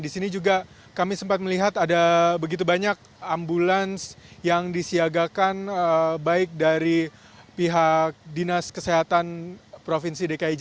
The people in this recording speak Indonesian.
di sini juga kami sempat melihat ada begitu banyak ambulans yang disiagakan baik dari pihak dinas kesehatan provinsi dki jakarta